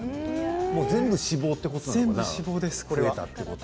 全部脂肪ということなのかな。